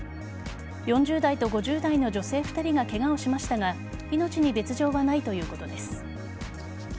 ４０代と５０代の女性２人がケガをしましたが命に別条はないということです。